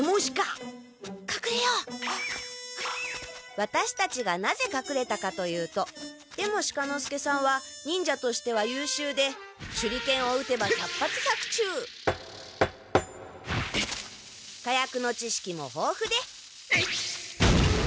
ワタシたちがなぜかくれたかというと出茂鹿之介さんは忍者としてはゆうしゅうで手裏剣を打てば百発百中火薬の知識もほうふでえいっ！